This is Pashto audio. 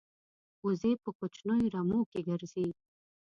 وزې په کوچنیو رمو کې ګرځي